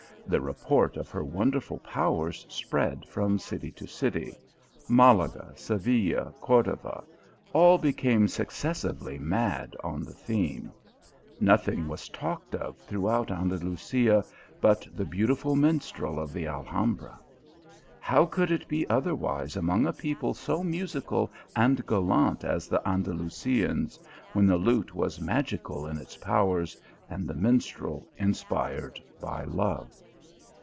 The report of her wonderful powers spread from city to city : Malaga, Seville, Cordova, all became successively mad on the theme ; nothing was talked of throughout Andalusia, but the beau 236 THE ALHAMBRA. tiful minstrel of the Alhambra. How could it be otherwise among a people so musical and gallant as the Andalusians, when the lute was magical in its powers, and the minstrel inspired by love.